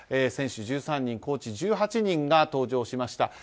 選手１３人、コーチ１８人が登場しました。